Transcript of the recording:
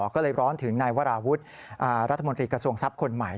ก็เลยร้อนถึงนายวราวุฒิรัฐมนตรีกระทรวงทรัพย์คนใหม่